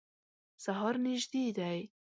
سهار نیژدي دی